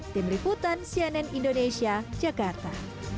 tim liputan cnn indonesia jakarta